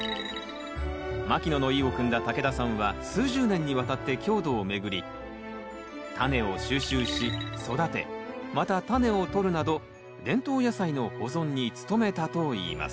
牧野の意をくんだ竹田さんは数十年にわたって郷土を巡りタネを収集し育てまたタネをとるなど伝統野菜の保存に努めたといいます。